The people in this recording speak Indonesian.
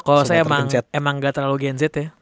kohos emang gak terlalu genzet ya